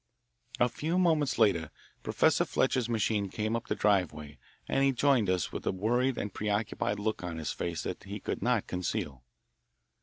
A few moments later Professor Fletcher's machine came up the driveway, and he joined us with a worried and preoccupied look on his face that he could not conceal.